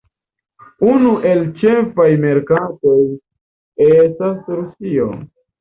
Unu el ĉefaj merkatoj estas Rusio.